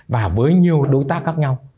và với nhiều đối tác khác nhau